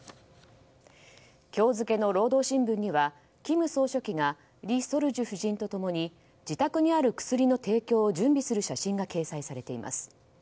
今日付の労働新聞には金総書記がリ・ソルジュ夫人と共に自宅にある薬の提供を準備する写真が掲載されています。